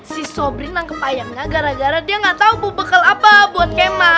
si sobri nangkep ayamnya gara gara dia gak tau bubekel apa buat kema